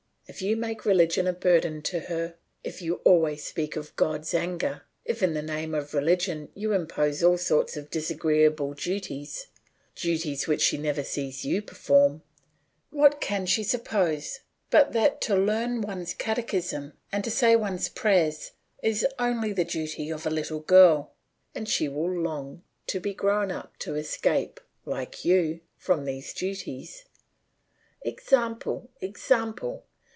If you make religion a burden to her, if you always speak of God's anger, if in the name of religion you impose all sorts of disagreeable duties, duties which she never sees you perform, what can she suppose but that to learn one's catechism and to say one's prayers is only the duty of a little girl, and she will long to be grown up to escape, like you, from these duties. Example! Example!